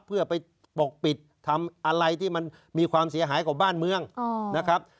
เพื่อไปปกปิดทำอะไรที่มันมีความเสียหายกว่าบ้านเมืองนะครับ